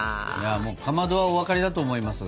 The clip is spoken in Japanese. かまどはお分かりだと思いますが。